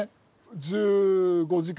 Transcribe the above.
１５時間。